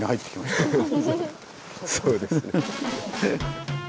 そうですね。